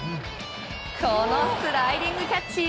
このスライディングキャッチ！